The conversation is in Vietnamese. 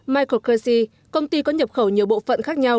michael kersey công ty có nhập khẩu nhiều bộ phận khác nhau